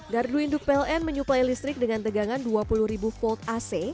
gardu induk pln menyuplai listrik dengan tegangan dua puluh ribu volt ac